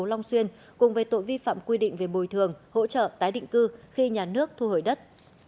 long xuyên cùng với tội vi phạm quy định về bồi thường hỗ trợ tái định cư khi nhà nước thu hồi đất